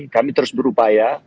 kami terus berupaya